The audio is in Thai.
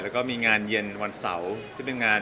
แล้วก็มีงานเย็นวันเสาร์